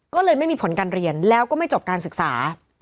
ก็เลยไม่มีผลการเรียนแล้วก็ไม่จบการศึกษา